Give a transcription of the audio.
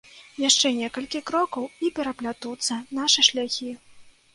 Яшчэ некалькі крокаў, і пераплятуцца нашы шляхі.